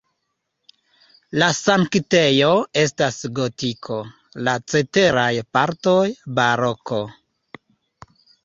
La sanktejo estas gotiko, la ceteraj partoj baroko.